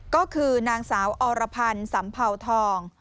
ก็คือนางสาวอรพันธ์สัมเภาทอง